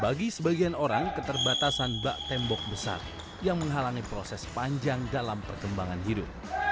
bagi sebagian orang keterbatasan bak tembok besar yang menghalangi proses panjang dalam perkembangan hidup